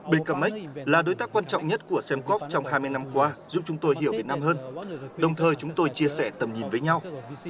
bkmac là đối tác quan trọng nhất của semcop trong hai mươi năm qua giúp chúng tôi hiểu việt nam hơn đồng thời chúng tôi chia sẻ tầm nhìn với nhau